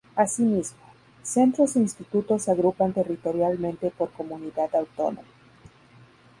Asimismo, centros e institutos se agrupan territorialmente por Comunidad Autónoma.